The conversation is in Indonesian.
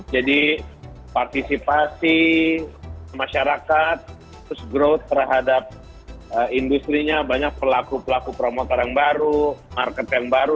jadi partisipasi masyarakat terus growth terhadap industri nya banyak pelaku pelaku promotor yang baru market yang baru